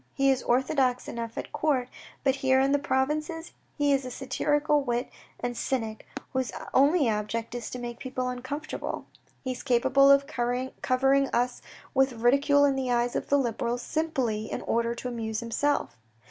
He is orthodox enough at Court, but here in the provinces, he is a satirical wit and cynic, whose only object is 106 THE RED AND THE BLACK to make people uncomfortable. He is capable of covering us with ridicule in the eyes of the Liberals, simply in order to amuse himself.